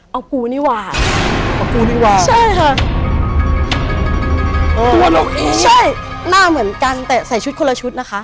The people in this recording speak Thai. เอาปูนี่วางเอากูดีกว่าใช่ค่ะเออลงเองใช่หน้าเหมือนกันแต่ใส่ชุดคนละชุดนะคะ